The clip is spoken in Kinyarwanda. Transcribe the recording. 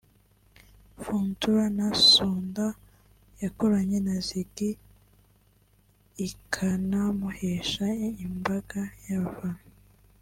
Funtula na Sunda yakoranye na Ziggy D ikanamuhesha imbaga y’abafana